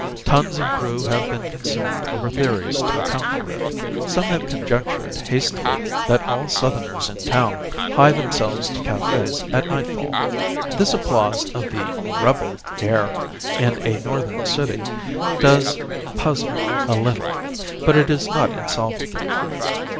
Tons of brew have been consumed over theories to account for it. Some have conjectured hastily that all Southerners in town hie themselves to cafés at nightfall. This applause of the "rebel" air in a Northern city does puzzle a little; but it is not insolvable.